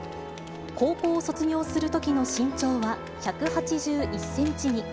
高校を卒業するときの身長は１８１センチに。